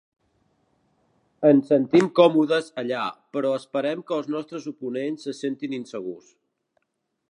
Ens sentim còmodes allà, però esperem que els nostres oponents se sentin insegurs.